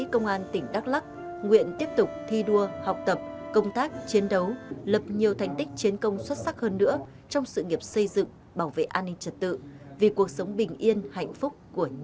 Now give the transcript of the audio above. công an tỉnh đắk lắc nguyện tiếp tục thi đua học tập công tác chiến đấu lập nhiều thành tích chiến công xuất sắc hơn nữa trong sự nghiệp xây dựng bảo vệ an ninh trật tự vì cuộc sống bình yên hạnh phúc của nhân dân